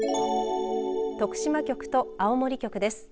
徳島局と青森局です。